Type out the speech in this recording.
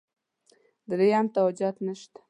درېیم ته حاجت نشته.